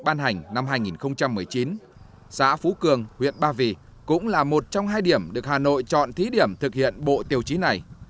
ban hành năm hai nghìn một mươi chín xã phú cường huyện ba vì cũng là một trong hai điểm được hà nội chọn thí điểm thực hiện bộ tiêu chí này